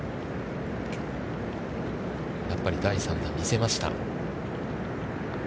やっぱり第３打見せました。